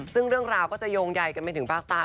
ซึ่งเรื่องราวก็จะโยงใยกันไปถึงภาคใต้